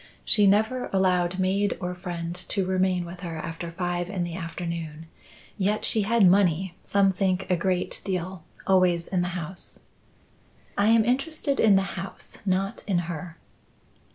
She never allowed maid or friend to remain with her after five in the afternoon; yet she had money some think a great deal always in the house." "I am interested in the house, not in her."